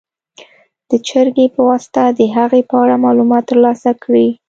د جرګې په واسطه د هغې په اړه معلومات تر لاسه کړي.